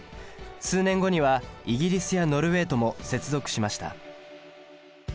数年後にはイギリスやノルウェーとも接続しました。